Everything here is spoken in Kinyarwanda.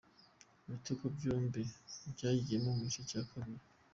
Ibitego byombi byagiyemo mu gice cya kabiri.